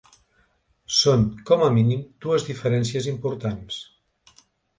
Són com a mínim dues diferències importants.